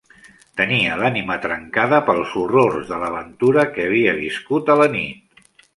Tenia l'ànima trencada pels horrors de l'aventura que havia viscut a la nit.